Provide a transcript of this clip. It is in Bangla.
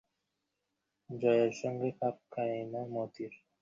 আমি তোমাদের অভিনন্দনের উত্তর দিবার জন্য ব্যস্ত আছি।